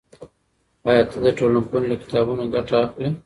آیا ته د ټولنپوهنې له کتابونو ګټه اخلی؟